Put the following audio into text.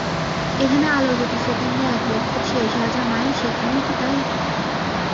এখানে আলোর গতি সেকেন্ডে এক লক্ষ ছিয়াশি হাজার মাইল, সেখানেও কি তা-ই?